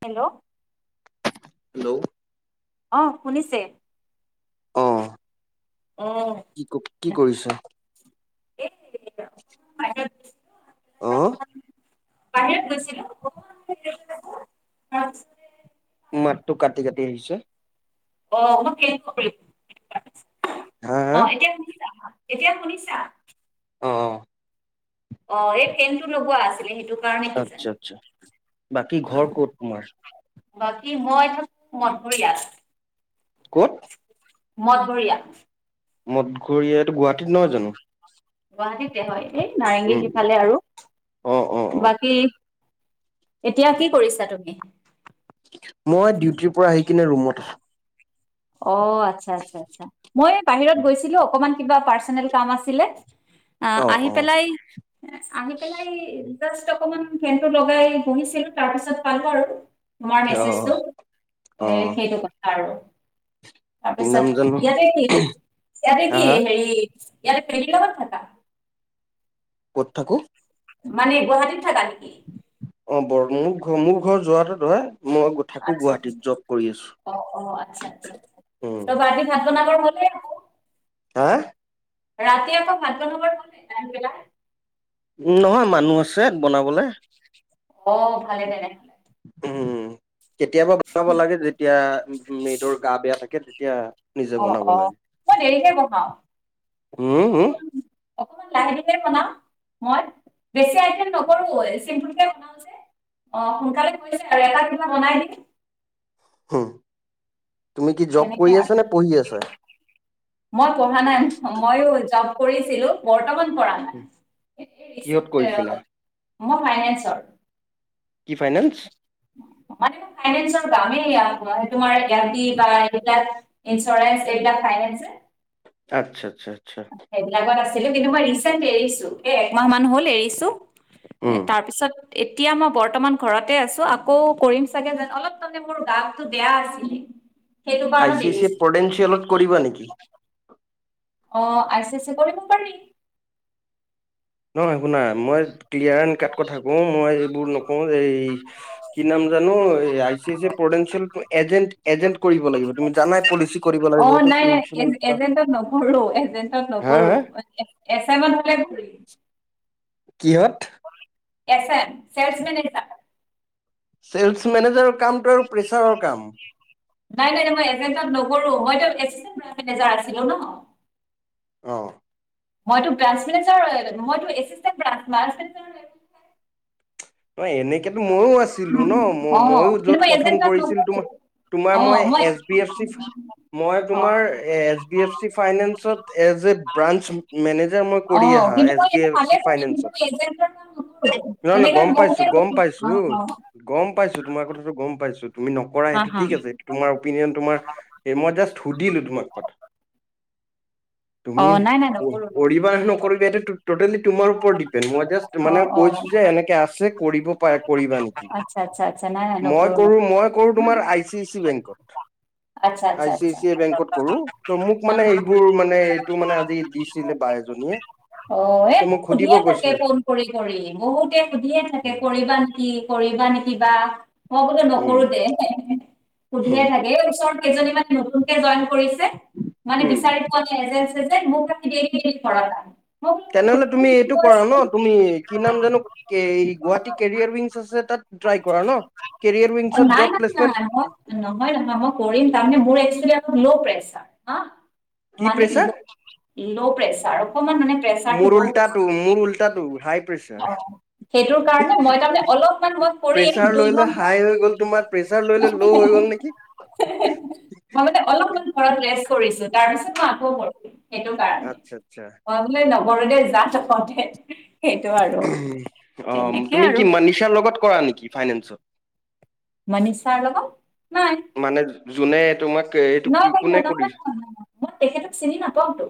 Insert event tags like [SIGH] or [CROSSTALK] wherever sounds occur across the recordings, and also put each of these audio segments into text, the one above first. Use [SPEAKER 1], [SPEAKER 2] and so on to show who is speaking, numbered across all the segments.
[SPEAKER 1] Hello
[SPEAKER 2] hello
[SPEAKER 1] অহ শুনিছে?
[SPEAKER 2] অ
[SPEAKER 1] অ'।
[SPEAKER 2] কি কি কৰিছ?
[SPEAKER 1] এই বাহিৰত গৈছিলোঁ অকমান বাহিৰত গৈছিলো [UNINTELLIGIBLE]
[SPEAKER 2] মাতটো কাটি কাটি আহিছে
[SPEAKER 1] অহ মই শিলপুখুৰীত
[SPEAKER 2] হা হা
[SPEAKER 1] অহ এতিয়া শুনিছা? এতিয়া শুনিছা?
[SPEAKER 2] অহ
[SPEAKER 1] অহ এই ফেনটো লগোৱা আছিলে সেইটো কাৰণে কিজানি।
[SPEAKER 2] আচ্ছা আচ্ছা, বাকী ঘৰ ক'ত তোমাৰ?
[SPEAKER 1] বাকী মই থাকো মঠঘৰীয়াত।
[SPEAKER 2] ক'ত?
[SPEAKER 1] মঠঘৰীয়াত।
[SPEAKER 2] মঠঘৰীয়াত?
[SPEAKER 1] গুৱাহাটীতে হয় এই নাৰেংগীৰ
[SPEAKER 2] উম
[SPEAKER 1] সিফালে আৰু
[SPEAKER 2] অ অ অ
[SPEAKER 1] বাকী এতিয়া কি কৰিছা তুমি?
[SPEAKER 2] মই ডিউটিৰ পৰা আহি কিনে ৰুমত
[SPEAKER 1] অহ আচ্ছা আচ্ছা আচ্ছা মই বাহিৰত গৈছিলো অকমান কিবা পাৰ্চনেল কাম আছিলে অহ
[SPEAKER 2] অ
[SPEAKER 1] আহি
[SPEAKER 2] অ
[SPEAKER 1] পেলাই আহি পেলাই জাষ্ট অকমান ফেনটো লগাই বহিছিলো, তাৰ পিছত পালো আৰু তোমাৰ
[SPEAKER 2] অ
[SPEAKER 1] মেছেজটো
[SPEAKER 2] অ
[SPEAKER 1] এ সেইটো কথা আৰু
[SPEAKER 2] কি নাম
[SPEAKER 1] তাৰপিছত
[SPEAKER 2] জানো
[SPEAKER 1] ইয়াতে কি ইয়াতে
[SPEAKER 2] হা
[SPEAKER 1] কি
[SPEAKER 2] হা
[SPEAKER 1] হেৰি ইয়াতে পেলী গামত থকা
[SPEAKER 2] ক'ত থাকো?
[SPEAKER 1] মানে গুৱাহাটীত থাকা নেকি? [UNINTELLIGIBLE]
[SPEAKER 2] অ', বৰ মোৰ ঘৰ মোৰ ঘৰ যোৱাটো হয়। মই থাকো
[SPEAKER 1] আচ্ছা আচ্ছা
[SPEAKER 2] গুৱাহাটীত জব কৰি
[SPEAKER 1] অ'
[SPEAKER 2] আছো উ'ম।
[SPEAKER 1] সোণাপুৰ [INAUDIBLE]
[SPEAKER 2] হা
[SPEAKER 1] ৰাতি আকৌ ভাত বনাবৰ হৈ ন টাইম বিলাক
[SPEAKER 2] নহয়, মানুহ আছে বনাবলে।
[SPEAKER 1] অ' ভালে তেনেহ'লে
[SPEAKER 2] উ'ম। কেতিয়াবা বনাব লাগে যেতিয়া মেদৰ গা বেয়া থাকে। তেতিয়া নিজে
[SPEAKER 1] অ',
[SPEAKER 2] বনাব
[SPEAKER 1] অ',
[SPEAKER 2] লাগে
[SPEAKER 1] মই দেৰিকে বহাওঁ।
[SPEAKER 2] হম হম
[SPEAKER 1] অকমান লাহে ধীৰে বনাও, মই বেছি আইটেম নকৰো মই ছিমপ্ল কে বনাও যে অ', সোনকালে কৰিছে আৰু এটা কিবা বনাই দিম।
[SPEAKER 2] হু'ম।
[SPEAKER 1] তেনেকে আৰু মই পঢ়া নাই ময়ো জব কৰিছিলো বৰ্তমান পৰা নাই এই
[SPEAKER 2] কিহত
[SPEAKER 1] ৰিচেণ্ট
[SPEAKER 2] কৰিছিলা?
[SPEAKER 1] মই ফাইনেন্সত।
[SPEAKER 2] কি ফাইনেন্স?
[SPEAKER 1] ফাইনেন্সৰ কামেই তোমাৰ এইতি বা এইবিলাক ইঞ্চুৰেন্ঞ্চ কেইটা ফাইনেন্স যে
[SPEAKER 2] আচ্ছা, আচ্ছা।
[SPEAKER 1] সেইবিলাগত আছে। কিন্তু মই ৰিচেট এৰিছো এ' একমাহ মান হল এৰিছো। এ!
[SPEAKER 2] উম
[SPEAKER 1] তাৰপিছত এতিয়া মই বৰ্তমান ঘৰতে আছো আকৌ কৰিম, চাগে অলপ ত মোৰ গাটো বেয়া আছিল।
[SPEAKER 2] আই চি আই চি পটেঞ্চিয়েলত কৰিবা নেকি?
[SPEAKER 1] অ, আই, চি, চি কৰিব পাৰি।
[SPEAKER 2] নহয়। শুনা, মই ক্লিয়াৰ এন কাত কথা কওঁ মই এইবোৰ নকওঁ যে এই কি নাম জানো আই চি চিয়েল পটেন্তচিয়েলটো এজেণ্ট এজেন্ট কৰিব লাগিব তুমি জানাই পলিচি কৰিব লাগে
[SPEAKER 1] অ
[SPEAKER 2] যিহেতু
[SPEAKER 1] নাই নাই
[SPEAKER 2] ইঞ্চুৰেঞ্চ বা।
[SPEAKER 1] এজেন্টত নকৰো এজেন্টত
[SPEAKER 2] হা,
[SPEAKER 1] নকৰো
[SPEAKER 2] হা।
[SPEAKER 1] এছ এমত হলে কৰিম
[SPEAKER 2] কিহত?
[SPEAKER 1] S M, sales manager.
[SPEAKER 2] Sales মেনেজাৰৰ কামটো আৰু প্ৰেছাৰৰ কাম।
[SPEAKER 1] নাই নাই নাই মই এজেন্টত নকৰো, মইতো এচ এমৰ মেনেজাৰ আছিলো ন।
[SPEAKER 2] অ'।
[SPEAKER 1] মইতো ব্ৰাঞ্চ মেনেজাৰ মইটো এচিটেনচ চি ব্ৰাঞ্চ
[SPEAKER 2] [INAUDIBLE] অ' এনেকেতো ময়ো আছিলোঁ ন ম
[SPEAKER 1] অ
[SPEAKER 2] ময়ো
[SPEAKER 1] কিন্তু
[SPEAKER 2] য'ত
[SPEAKER 1] মই
[SPEAKER 2] প্ৰথম
[SPEAKER 1] এজেণ্টত
[SPEAKER 2] কৰিছিলোঁ
[SPEAKER 1] নগলো
[SPEAKER 2] তোমাৰ তোমাৰ মই এছ বি এফ চি মই
[SPEAKER 1] অ
[SPEAKER 2] তোমাৰ এছ বি এফ চি ফাইনেন্সত এজ এ ব্ৰাঞ্চ মেনেজাৰ। মই কৰি
[SPEAKER 1] অ',
[SPEAKER 2] আহা
[SPEAKER 1] কিন্তু
[SPEAKER 2] এছ
[SPEAKER 1] মই
[SPEAKER 2] বি
[SPEAKER 1] [UNINTELLIGIBLE]
[SPEAKER 2] এফ চি ফাইনেন্সত
[SPEAKER 1] ফাইনেন্চৰ
[SPEAKER 2] নহয় নহয়
[SPEAKER 1] কাম
[SPEAKER 2] গম
[SPEAKER 1] নকৰো।
[SPEAKER 2] পাইছো, গম
[SPEAKER 1] অ অ
[SPEAKER 2] পাইছো তোমাৰ কথাটো গম পাই [INAUDIBLE] তুমি নকৰা
[SPEAKER 1] অ
[SPEAKER 2] সেইটো
[SPEAKER 1] হা
[SPEAKER 2] ঠিক আছে। তোমাৰ অপিনিয়ন তোমাৰ মই জাষ্ট সুধিলো তোমাক কথা।
[SPEAKER 1] অ
[SPEAKER 2] তুমি
[SPEAKER 1] নাই নাই নকৰো নকৰো
[SPEAKER 2] কৰিবা আৰু নকৰিবা এইটো টটেলি তোমাৰ ওৰত ডিপেন্ড। মই জাস্ট
[SPEAKER 1] অ
[SPEAKER 2] মানে
[SPEAKER 1] অ
[SPEAKER 2] কৈছো যে এনেকে আ কৰিব পাৰা কৰিবা।
[SPEAKER 1] আচ্ছা আচ্ছা আচ্ছা নাই নাই
[SPEAKER 2] মই
[SPEAKER 1] নকৰো নকৰো
[SPEAKER 2] কৰো, মই কৰো তোমাৰ আই চি আই চি বেংকত।
[SPEAKER 1] আচ্ছা,
[SPEAKER 2] আই
[SPEAKER 1] আচ্ছা,
[SPEAKER 2] চি আই
[SPEAKER 1] আচ্ছা।
[SPEAKER 2] চি আই বেংকত কৰো ত মোক মানে
[SPEAKER 1] [UNINTELLIGIBLE]
[SPEAKER 2] এইবোৰ মানে এইটো মানে আজি দিছিলে বা এজনীয়ে
[SPEAKER 1] অ' এই
[SPEAKER 2] ত
[SPEAKER 1] মোক
[SPEAKER 2] সুধিব
[SPEAKER 1] সুধিয়ে থাকে
[SPEAKER 2] কৈছিলে
[SPEAKER 1] ফোন কৰি কৰি বহুতে। সুধিয়ে থাকে।
[SPEAKER 2] উম
[SPEAKER 1] কৰিবা নেকি, কৰিবা নেকি বা। মই বোলো নকৰো
[SPEAKER 2] উম
[SPEAKER 1] দে। সুধিয়ে থাকে। কেইজনীমান নতুনকে জইন হৈছে। কৰিছে। মানে
[SPEAKER 2] উম
[SPEAKER 1] বিচাৰি পোৱা নাই। [UNINTELLIGIBLE]
[SPEAKER 2] তেনেহ'লে
[SPEAKER 1] নকৰো
[SPEAKER 2] তুমি এইটো
[SPEAKER 1] বুলি কৈ
[SPEAKER 2] কৰা ন তুমি
[SPEAKER 1] আছো
[SPEAKER 2] কি নাম জানো, গুৱাহাটী কেৰিয়াৰ বিনছ আছে তাত ট্ৰাই কৰা ন
[SPEAKER 1] অ
[SPEAKER 2] কেৰিয়াৰবিনছত
[SPEAKER 1] নাই
[SPEAKER 2] জব।
[SPEAKER 1] নাই নাই মই নহয় নহয় মই কৰিম, তাৰ মানে মোৰ একচুৱেলি ল' প্ৰেছাৰ হা।
[SPEAKER 2] কি
[SPEAKER 1] মানে
[SPEAKER 2] প্ৰেছাৰ
[SPEAKER 1] ল' প্ৰেচাৰ অকমান মানে প্ৰেচাৰটো
[SPEAKER 2] মোৰ
[SPEAKER 1] ল'।
[SPEAKER 2] উল্টাটো মোৰ উল্টাটো হাই প্ৰেছাৰ
[SPEAKER 1] অ', সেইটোৰ কাৰণে মই তাৰ মানে অলপমান মই কৰিম
[SPEAKER 2] প্ৰেছাৰ
[SPEAKER 1] দুই
[SPEAKER 2] লৈ লৈ
[SPEAKER 1] মাহ
[SPEAKER 2] হাই হৈ গ'ল তোমাৰ প্ৰেছাৰ লৈ লৈ ল' হৈ গ'ল নেকি
[SPEAKER 1] মই মানে অলপ ঘৰত ৰেচট্ কৰিছো। তাৰ পিছত মই আকৌ কৰিম। সেইটো কাৰণে।
[SPEAKER 2] আচ্ছা আচ্ছা
[SPEAKER 1] মই বোলো ন [UNINTELLIGIBLE]
[SPEAKER 2] অ' তুমি কি মনিচাৰ লগত কৰা নেকি? ফাইনেনছত।
[SPEAKER 1] [UNINTELLIGIBLE] [UNINTELLIGIBLE]
[SPEAKER 2] মানে যোনে তোমাক এইটো কোনে কৰি
[SPEAKER 1] তেখেতক চিনি নাপাওতো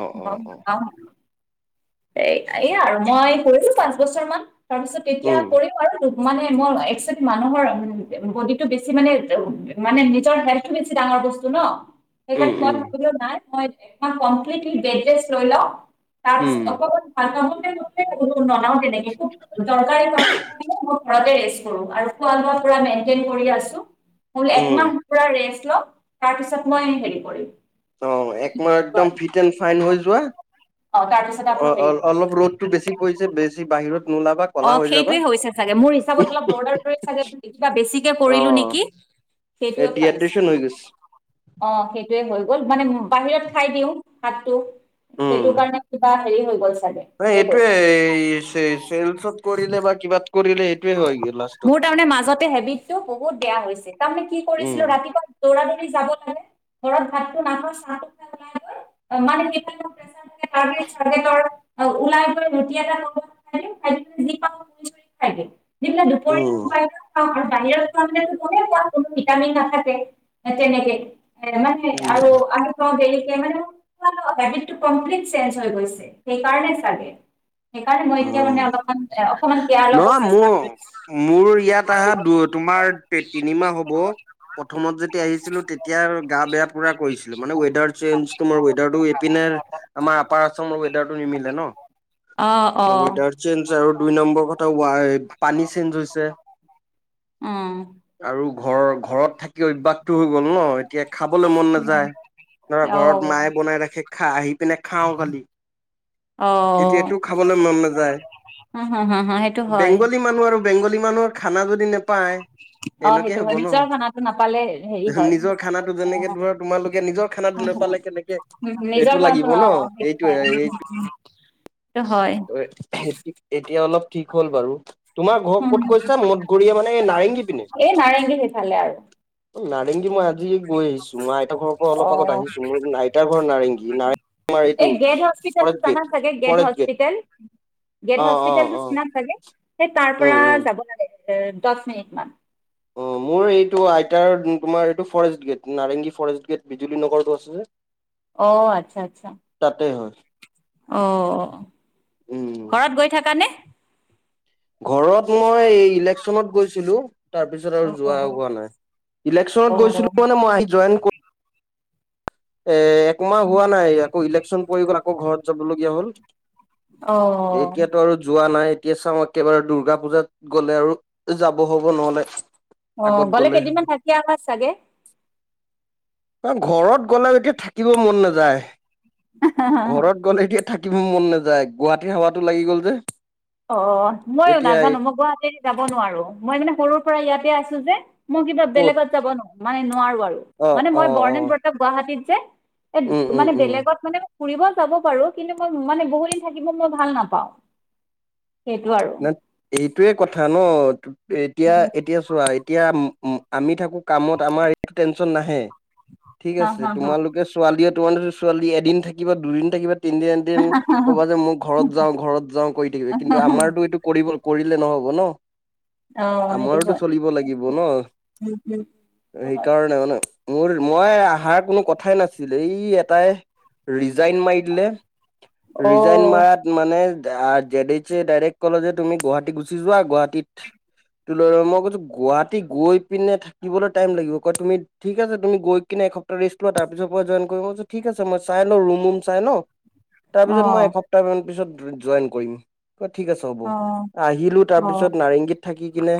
[SPEAKER 2] অ অ অ
[SPEAKER 1] এ এয়া আৰু মই কৰিছো পাঁচ বছৰ মান তাৰপিছত তেতিয়া
[SPEAKER 2] উম
[SPEAKER 1] কৰি পাৰো মানে মই একচেপ্ত মানুহৰ বডিটো বেছি মানে মানে নিজৰ হেল্থটো বেছি ডাঙৰ বস্তু ন
[SPEAKER 2] উম
[SPEAKER 1] সেইকাৰণে মই
[SPEAKER 2] উম
[SPEAKER 1] ভাবিলও নাই মই [UNINTELLIGIBLE] কমপ্লিটলি বেডৰেষ্ট লৈ লও।
[SPEAKER 2] উম
[SPEAKER 1] তাৰপিছত [UNINTELLIGIBLE] [UNINTELLIGIBLE] তেনেকে খুব দৰকাৰী ঘৰতে ৰেস্ত কৰো আৰু খোৱা লোৱা পুৰা মেইনটেইন কৰি আছো।
[SPEAKER 2] উম
[SPEAKER 1] একমাহ পুৰা ৰেষ্ট। তাৰ পিছত মই হেৰি কৰিম।
[SPEAKER 2] অঁ একমাহ একদম ফিট এণ্ড ফাইন হৈ যোৱা। অ অ' অলপ ৰ'দটো বেছি পৰিছে বেছি বাহিৰত নোলাবা কলা
[SPEAKER 1] অঁ
[SPEAKER 2] হৈ যাবা
[SPEAKER 1] সেইটোৱে হৈছে চাগে মোৰ হিচাপত অলপ দৌৰা দৌৰিত কিবা বেছিকে
[SPEAKER 2] অ
[SPEAKER 1] কৰিলো নেকি
[SPEAKER 2] এই
[SPEAKER 1] সেইটোয়ে ভাবিছ
[SPEAKER 2] ডিহাইড্ৰেচন হৈ গৈছে
[SPEAKER 1] অ' সেই হৈ গ'ল মানে বাহিৰত খাই দিওঁ ভাত টো। সেইটো কাৰণে হেৰি হৈ গ'ল চাগে ঠিকে
[SPEAKER 2] এইটোৱে
[SPEAKER 1] কৈছা
[SPEAKER 2] চেলচত কৰিলে বা কিবাত কৰিলে এই
[SPEAKER 1] মোৰ তাৰমানে মাজতে হেবিটটো বহুত বেয়া হৈছিল তাৰমানে কি
[SPEAKER 2] উম
[SPEAKER 1] কৰিছিলো ৰাতিপুৱা দৌৰা দৌৰি যাব লাগে ঘৰত ভাতটো নাখাও চাহ তাহ [UNINTELLIGIBLE] দি পেলাই দুপৰীয়া
[SPEAKER 2] উম।
[SPEAKER 1] [UNINTELLIGIBLE] বাহিৰেত খোৱা মানেইতো গমেই পোৱা কোনো ভিটামিন নাথাকে তেনেকে মানে আৰু আমি কও মানে হেবিটতো কমপ্লিট চেইনজ হৈ গৈছিল সেইকাৰণে চাগে সেইকাৰণে মই এতিয়া
[SPEAKER 2] উম,
[SPEAKER 1] মানে অলপমান অকণমান কেয়াৰ লব
[SPEAKER 2] নহয়
[SPEAKER 1] চেষ্টা
[SPEAKER 2] মোৰ
[SPEAKER 1] কৰিছো
[SPEAKER 2] মোৰ ইয়াত আহা তোমাৰ তিনিমাহ হ'ব প্ৰথমত যেতিয়া আহিছিলো তেতিয়া গা বেয়া পুৰা কৰিছিলো মানে ৱেডাৰ চেঞ্জ ৱেডাৰ এইপিনে আমাৰ আপাৰ আচামৰ ৱেডাৰটো নিমিলে ন।
[SPEAKER 1] অ', অ',
[SPEAKER 2] ৱেডাৰ চেঞ্জ আৰু দুই নম্বৰ কথা ৱাইড পানী চেঞ্জ হৈছে
[SPEAKER 1] উম।
[SPEAKER 2] আৰু ঘৰ ঘৰত। থাকি অভ্যাসটো হৈ গ'ল নহ এতিয়া খাবলৈ মন নাযায় ধৰা
[SPEAKER 1] অ',
[SPEAKER 2] ঘৰত মায়ে বনাই ৰাখে খাই আহি পিনে খাওঁ খালি।
[SPEAKER 1] অহ
[SPEAKER 2] [UNINTELLIGIBLE]
[SPEAKER 1] সেইটো হয়।
[SPEAKER 2] বেংগলী মানুহ আৰু বেংগলী মানুহৰ খানা যদি না পাই,
[SPEAKER 1] অ',
[SPEAKER 2] এনেকে
[SPEAKER 1] সেইটো
[SPEAKER 2] হ'ব
[SPEAKER 1] হয়,
[SPEAKER 2] নহ
[SPEAKER 1] নিজৰ খানাটো নাপালে হেৰি হয়।
[SPEAKER 2] নিজৰ খানাটো যেনেকে তোমাৰ তোমালোকে নিজৰ খানাটো নাপালে কেনেকে এইটো
[SPEAKER 1] খানাটো
[SPEAKER 2] লাগিব
[SPEAKER 1] অ',
[SPEAKER 2] নহ
[SPEAKER 1] সেইটো
[SPEAKER 2] এইটো
[SPEAKER 1] হয়।
[SPEAKER 2] এই
[SPEAKER 1] সেইটো হয়,
[SPEAKER 2] তঅ এতিয়া অলপ ঠিক হ'ল বাৰু। তোমাৰ ঘৰ ক'ত কৈছা, মঠঘৰীয়া মানে এই নাৰেংগী পিনে?
[SPEAKER 1] এই নাৰেংগী সেইফালে আৰু।
[SPEAKER 2] নাৰেংগী মই আজি গৈ আহিছো। মই আইতাৰ ঘৰৰ অলপ আগত
[SPEAKER 1] অ',
[SPEAKER 2] আহিছো মোৰ আইতাৰ ঘৰ নাৰেংগী নাৰেংগী এইটো
[SPEAKER 1] এই গেট
[SPEAKER 2] তোমাৰ
[SPEAKER 1] হস্পিতেলটো
[SPEAKER 2] ফৰেষ্ট
[SPEAKER 1] জানা
[SPEAKER 2] গেট
[SPEAKER 1] চাগে,
[SPEAKER 2] ফৰেষ্ট গেট।
[SPEAKER 1] হস্পিতেল? গেট
[SPEAKER 2] অ অ
[SPEAKER 1] হস্পিতেলতো
[SPEAKER 2] অ
[SPEAKER 1] চিনা চাগে? সেই তাৰ পৰা
[SPEAKER 2] উম উম
[SPEAKER 1] যাব লাগে। এহ দহ মিনিট মান
[SPEAKER 2] অহ মোৰ এইটো আইতাৰ তোমাৰ এইটো forest gate, Narengi forest gate বিজুলী নগৰতো আছে যে
[SPEAKER 1] অহ, আচ্ছা আচ্ছা।
[SPEAKER 2] তাতে হয়
[SPEAKER 1] অহ,
[SPEAKER 2] উম
[SPEAKER 1] ঘৰত গৈ থাকানে?
[SPEAKER 2] ঘৰত মই ইলেকচনত গৈছিলো তাৰ পিছত আৰু
[SPEAKER 1] অ',
[SPEAKER 2] যোৱা
[SPEAKER 1] অ',
[SPEAKER 2] হোৱা নাই। ইলেকচন
[SPEAKER 1] অ'।
[SPEAKER 2] গৈছিলো মানে মই আহি জইন কৰি এই একমাহ হোৱা নাই আকৌ ইলেক ইলেকচন পৰি গ'ল আকৌ ঘৰত যাবলগীয়া
[SPEAKER 1] অ
[SPEAKER 2] হ'ল। এতিয়াতো আৰু যোৱা নাই। এতিয়া চাওঁ একেবাৰে দূৰ্গা পূজাত গ'লে আৰু যাব হ'ব নহ'লে
[SPEAKER 1] অহ
[SPEAKER 2] আগত
[SPEAKER 1] গ'লে
[SPEAKER 2] হ'ব।
[SPEAKER 1] কেইদিনমান থাকি আহা চাগে?
[SPEAKER 2] ঘৰত [UNINTELLIGIBLE] থাকিব মন নাযায়। ঘৰত গ'লে এতিয়া থাকিব মন নাযায়, গুৱাহাটীৰ হাৱাতো লাগি গ'ল যে
[SPEAKER 1] অহ মই
[SPEAKER 2] এতিয়া
[SPEAKER 1] নাজানো মই গুৱাহাটীত যাব নোৱাৰো, মই মানে সৰুৰ পৰা ইয়াতে আছো আছো যে মই কিবা
[SPEAKER 2] ক'ত
[SPEAKER 1] বেলেগত যাব নো মানে নোৱাৰো আৰু,
[SPEAKER 2] অ',
[SPEAKER 1] মানে মই
[SPEAKER 2] অ', অ',
[SPEAKER 1] [UNINTELLIGIBLE] গুৱাহাটীত যে
[SPEAKER 2] উম,
[SPEAKER 1] এ
[SPEAKER 2] উম,
[SPEAKER 1] মানে
[SPEAKER 2] উম।
[SPEAKER 1] বেলেগত মানে ফুৰিব যাব পাৰো, কিন্তু মই মানে বহু দিন থাকিব মই ভাল নাপাওঁ। সেইটো আৰু
[SPEAKER 2] [UNINTELLIGIBLE] এইটোৱে কথা ন, তু এতিয়া,
[SPEAKER 1] উম
[SPEAKER 2] এতিয়া চোৱা এতিয়া ম ম আমি থাকো কামত আমাৰ এইটো টেনশ্যন নাহে। ঠিক
[SPEAKER 1] হা
[SPEAKER 2] আছে
[SPEAKER 1] হা হা
[SPEAKER 2] তোমালোকে ছোৱালীয়ে [UNINTELLIGIBLE] ছোৱালীয়ে এদিন থাকিবা, দুদিন থাকিবা তিনদিনা এদিন ক'বা যে মোৰ ঘৰত যাওঁ, ঘৰত যাওঁ কৰি থাকিবি কিন্তু আমাৰতো [UNINTELLIGIBLE] কৰিলে নহ'ব ন।
[SPEAKER 1] অ সেইটো
[SPEAKER 2] আমাৰোতো
[SPEAKER 1] হয়
[SPEAKER 2] চলিব লাগিব ন,
[SPEAKER 1] উম উম সেইটো হয়।
[SPEAKER 2] সেইকাৰণে মোৰ, মই অহাৰ কোনো কথাই নাছিল, এই এটাই ৰিজাইন মাৰি দিলে।
[SPEAKER 1] অ
[SPEAKER 2] ৰিজাইন মাৰাত মানে আ জেডিছে ডাইৰেক্ট ক'লে যে তুমি গুৱাহাটী গুচি যোৱা গুৱাহাটীত, ত ল মই কৈছো গুৱাহী গৈ পিনে থাকিবলৈ টাইম লাগিব কয় তুমি ঠিক আছে তুমি গৈ কিনে এসপ্তাহ ৰেষ্ট লোৱা তাৰ পিছৰ পৰা জইন কৰিবই কৈ ঠিক আছে মই চাই ল ৰুম ম চাই ল
[SPEAKER 1] অ
[SPEAKER 2] তাৰপিছত মই এসপ্তাহ মান পিছত জইন কৰিম ঠিক আছে হ'ব,
[SPEAKER 1] অ
[SPEAKER 2] আহিলো তাৰ
[SPEAKER 1] অ
[SPEAKER 2] পিছত নাৰেংগীত থাকি কিনে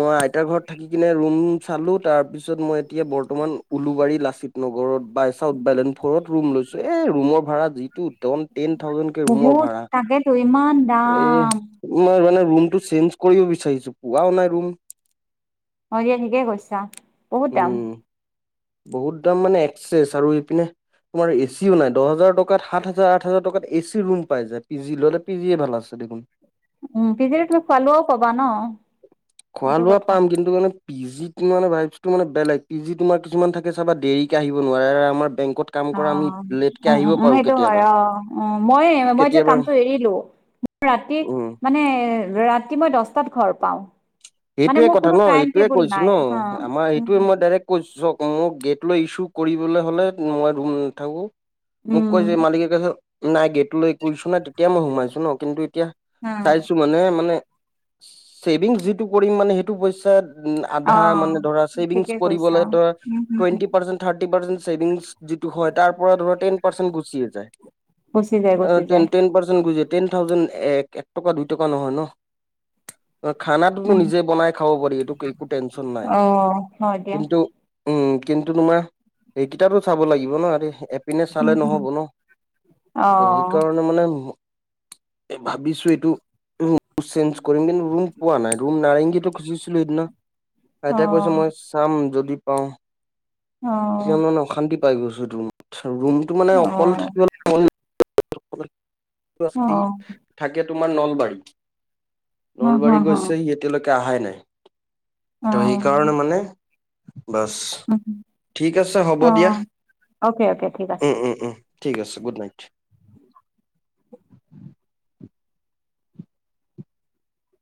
[SPEAKER 2] মই আইতাৰ ঘৰত থাকি কিনে ৰুম-মুম চালোঁ, তাৰপিছত মই এতিয়া বৰ্তমান উলুবাৰী লাচিত নগৰত বাই চাউথ বাইলেণ্ড ফ'ৰত ৰুম লৈছোঁ, এ ৰুমৰ ভাড়া যিটো টন, টেন থাউজেণ্ড কে ৰুমৰ
[SPEAKER 1] বহুত
[SPEAKER 2] ভাড়া।
[SPEAKER 1] তাকেতো ইমান
[SPEAKER 2] এ
[SPEAKER 1] দাম
[SPEAKER 2] ম মানে ৰূমটো চেঞ্জ কৰিব বিচাৰিছো, পোৱাও নাই ৰুম
[SPEAKER 1] অ দিয়া ঠিকে কৈছা, বহুত দাম
[SPEAKER 2] উম। বহুত দাম মানে এক্চেছ আৰু ইপিনে তোমাৰ এচিও নাই, দহ হাজাৰ টকাত, সাত হাজাৰ, আঠ হাজাৰ টকাত এচি ৰুম পাই যায় পি জি লৈলে পি জিয়ে ভাল আছে দেখোন।
[SPEAKER 1] উম পিজি তুমি খোৱা-লোৱাও পাবা ন সেইটো কথা
[SPEAKER 2] পিজিত মানে ভাইব্ছটো মানে বেলেগ পিজি তোমাৰ কিমান থাকে চাবা দেৰিকে আহিব নোৱাৰে আৰু আমাৰ বেং
[SPEAKER 1] অ' উম, উম, উম, সেইটোও
[SPEAKER 2] কেতিয়াবা
[SPEAKER 1] হয়, অ' উম মই-মই যে
[SPEAKER 2] কেতিয়াবা
[SPEAKER 1] কামটো এৰিলো, ৰাতি
[SPEAKER 2] উম।
[SPEAKER 1] মানে, ৰাতি মই দহটাত ঘৰ পাও
[SPEAKER 2] সেইটোয়ে কথা ন, এইটোয়ে কৈছো ন,
[SPEAKER 1] অ
[SPEAKER 2] আমাৰ
[SPEAKER 1] উম
[SPEAKER 2] এইটোয়ে মই ডাইৰেক্ট কৈছো চওক মোক গেট লৈ ইচ্যু কৰিবলৈ হ'লে মই ৰুম নাথাকো মোক কৈ
[SPEAKER 1] উম
[SPEAKER 2] যে মালিকে কয় নাই গেটলৈ কৈছো নাই তেতিয়া মই সোমাইছো ন কিন্তু এতিয়া
[SPEAKER 1] উম
[SPEAKER 2] চাইছো মানে-মানে চেভিং সেই কৰিম মানে সেইটো পইচাত উম
[SPEAKER 1] অ
[SPEAKER 2] আধা মানে ধৰা চছেভিং
[SPEAKER 1] ঠিকে কৈছা
[SPEAKER 2] কৰিবলে ত
[SPEAKER 1] উম উম উম
[SPEAKER 2] twenty percent thirty percent savings যিটো হয় তাৰ পৰা ধৰা টেন পাৰ্ছেণ্ট গুছি এ যাই
[SPEAKER 1] গুচি যায় গুচি
[SPEAKER 2] অ
[SPEAKER 1] যায়
[SPEAKER 2] টেন পাৰ্ছেণ্ট গুছি--টেন থাউজেণ্ড এক এক টকা দুই টকা নহয় ন খাত
[SPEAKER 1] উম
[SPEAKER 2] নিজে বনাই খাব পাৰি এইটো একো টেনচন নাই
[SPEAKER 1] অ হয় দিয়া
[SPEAKER 2] কিন্তু উম কিন্তু তোমাৰ সেইকেইটাতো চাব লাগিব ন আৰে এপিনে চালে
[SPEAKER 1] উম উম
[SPEAKER 2] নহ'ব ন
[SPEAKER 1] অ
[SPEAKER 2] ত' সেইকাৰণে মানে এ ভাবিছো এইটো চেঞ্জ কৰিম কিন্তু ৰুম পোৱা নাই ৰুম নাৰেঙগীতো খুজিছিলো সেইদিনা
[SPEAKER 1] অ
[SPEAKER 2] আইতাই কৈছে মই চাম যদি অ
[SPEAKER 1] অ
[SPEAKER 2] কিয় মানে অশান্তি পাই গৈছো [UNINTELLIGIBLE] ৰুমটো মানে অকল থাকিব মন [UNINTELLIGIBLE] থাকে তোমাৰ নলবাৰীত নলবাৰী গৈছে সি এতিয়ালেকে অহাই নাই ত সেইকাৰণে মানে বাছ ঠিক আছে হ'ব দিয়া
[SPEAKER 1] ঠিক
[SPEAKER 2] উম
[SPEAKER 1] আছে।
[SPEAKER 2] উম উম ঠিক আছে গুড নাইট